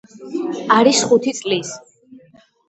არის ხუთი წლის.